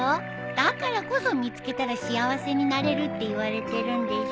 だからこそ見つけたら幸せになれるって言われてるんでしょ。